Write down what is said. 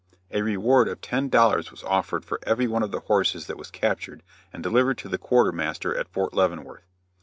A reward of ten dollars was offered for every one of the horses that was captured and delivered to the quartermaster at Fort Leavenworth.